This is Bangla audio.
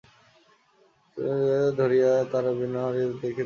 আলো উঁচু করিয়া ধরিয়া সকলে তাহারা ভিড় করিয়া হারুকে দেখিতে লাগিল।